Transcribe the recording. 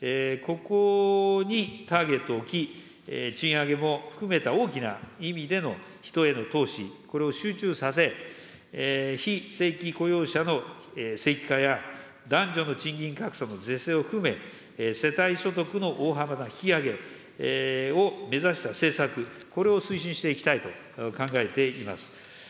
ここにターゲットを置き、賃上げも含めた大きな意味での人への投資、これを集中させ、非正規雇用者の正規化や、男女の賃金格差の是正を含め、世帯所得の大幅な引き上げを目指した政策、これを推進していきたいと考えています。